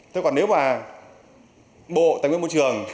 thế còn nếu mà bộ tài nguyên môi trường